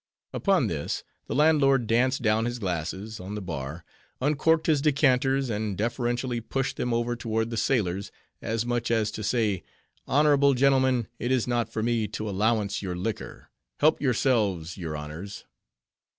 _ Upon this, the landlord danced down his glasses, on the bar, uncorked his decanters, and deferentially pushed them over toward the sailors, as much as to say—_"Honorable gentlemen, it is not for me to allowance your liquor;—help yourselves, your honors."